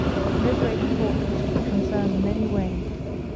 No great port was to be concerned in any way.